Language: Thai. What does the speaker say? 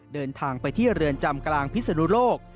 เดินทางไปที่เรือนจำกลางพิศนุโลก